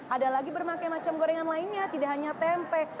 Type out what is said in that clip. ada lagi bermacam macam gorengan lainnya tidak hanya tempe